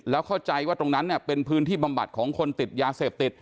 แล้วเข้าใจว่าตรงนั้นเป็นพื้นที่บำบัดของคนติดยาเสพติด